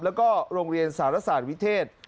แล้วก็โรงเรียนสารศาสตร์วิเทศ